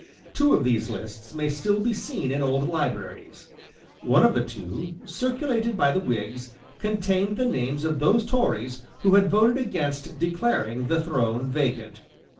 Two of these lists may still be seen in old libraries. One of the two, circulated by the Whigs, contained the names of those Tories who had voted against declaring the throne vacant.